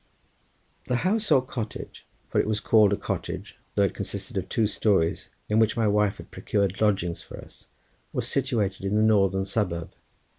The house or cottage, for it was called a cottage though it consisted of two stories, in which my wife had procured lodgings for us, was situated in the northern suburb.